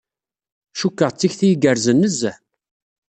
Cukkeɣ d tikti igerrzen nezzeh.